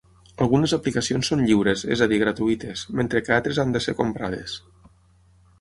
Algunes aplicacions són lliures, és a dir gratuïtes, mentre que altres han de ser comprades.